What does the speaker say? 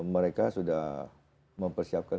mereka sudah mempersiapkan